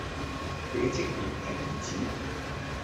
佢嘅職業係兒子